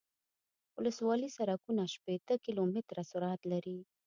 ولسوالي سرکونه شپیته کیلومتره سرعت لري